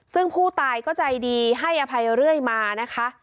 ซึ่งผู้ตายก็ใจดีให้อภัยเรื่อยมานะคะ